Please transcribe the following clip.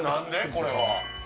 これは。